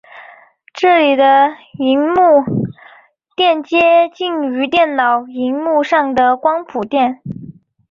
这里的萤幕靛接近于电脑萤幕上的光谱靛。